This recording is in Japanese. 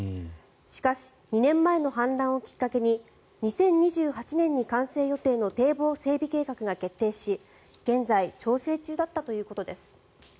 しかし２年前の氾濫をきっかけに２０２８年に完成予定の堤防整備計画が決定し現在調整中だったということです。